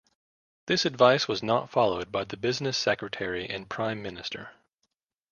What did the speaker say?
This advice was not followed by the business secretary and prime minister.